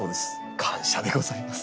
感謝でございます。